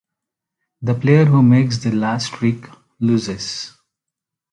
The player who makes the last trick loses.